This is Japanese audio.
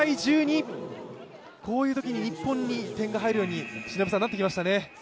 １９−１２、こういうときに日本に点が入るようになってきましたね。